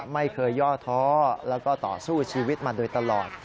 ไม่เคยย่อท้อแล้วก็ต่อสู้ชีวิตมาโดยตลอด